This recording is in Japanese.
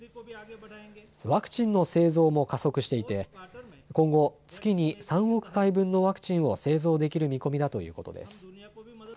ワクチンの製造も加速していて今後、月に３億回分のワクチンを製造できる見込みだということです。